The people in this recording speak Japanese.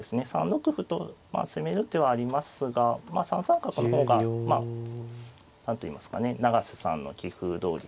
３六歩と攻める手はありますが３三角の方が何といいますかね永瀬さんの棋風どおりといいますかね。